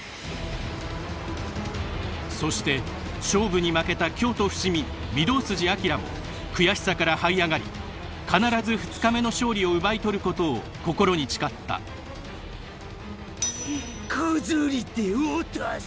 そして勝負に負けた京都伏見御堂筋翔も悔しさからはい上がり必ず２日目の勝利を奪い取ることを心に誓ったこぞりて堕とす！！